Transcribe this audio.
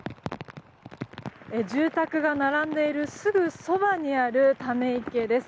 住宅が並んでいるすぐそばにある、ため池です。